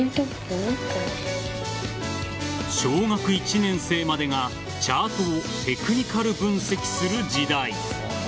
小学１年生までがチャートをテクニカル分析する時代。